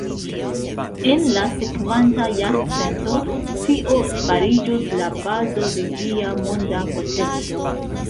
En la sekvanta jarcento, tio fariĝos la bazo de ĝia monda potenco.